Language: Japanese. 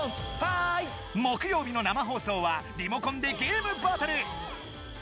木曜日の生放送はリモコンでゲームバトル！